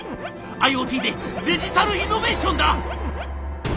ＩｏＴでデジタルイノベーションだ！」。